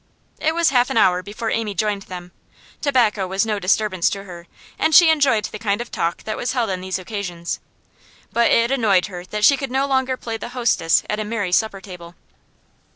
It was half an hour before Amy joined them. Tobacco was no disturbance to her, and she enjoyed the kind of talk that was held on these occasions; but it annoyed her that she could no longer play the hostess at a merry supper table.